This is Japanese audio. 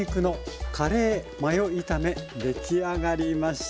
出来上がりました。